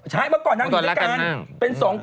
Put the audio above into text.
เห้ยมาก่อนนางรีวิชาการมาก่อนรักษณ์มาก